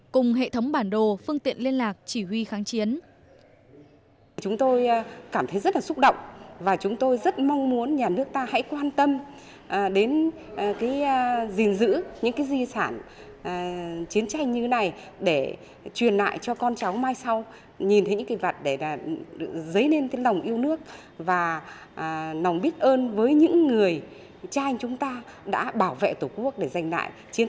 cùng hệ thống bản đồ phương tiện liên lạc chỉ huy kháng chiến